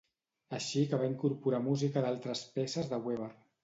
Així que va incorporar música d'altres peces de Weber.